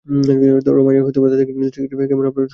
রমাই তাহার ঘৃণার দৃষ্টিতে কেমন আপনা-আপনি সংকুচিত হইয়া পড়িত।